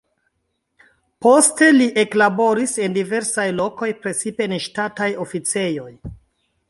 Poste li eklaboris en diversaj lokoj, precipe en ŝtataj oficejoj.